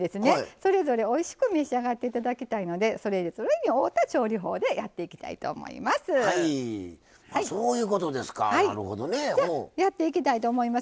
それぞれ、おいしく召し上がっていただきたいのでそれぞれに合うた調理法でやっていきたいと思います。